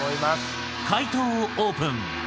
解答をオープン。